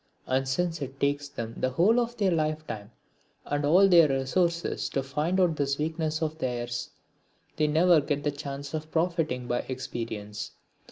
And since it takes them the whole of their lifetime and all their resources to find out this weakness of theirs, they never get the chance of profiting by experience.